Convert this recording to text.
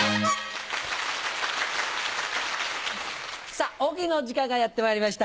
さぁ大喜利の時間がやってまいりました。